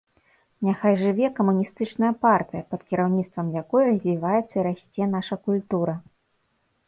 Няхай жыве камуністычная партыя, пад кіраўніцтвам якой развіваецца і расце наша культура!